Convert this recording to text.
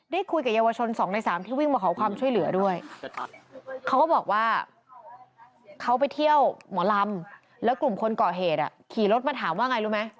คุยกับเยาวชน๒ใน๓ที่วิ่งมาขอความช่วยเหลือด้วยเขาก็บอกว่าเขาไปเที่ยวหมอลำแล้วกลุ่มคนก่อเหตุขี่รถมาถามว่าไงรู้ไหม